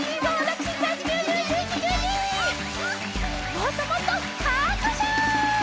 もっともっとはくしゅ。